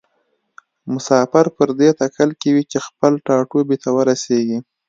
مسافر پر دې تکل کې وي چې خپل ټاټوبي ته ورسیږي.